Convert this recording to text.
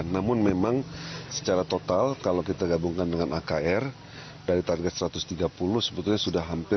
namun memang secara total kalau kita gabungkan dengan akr dari target satu ratus tiga puluh sebetulnya sudah hampir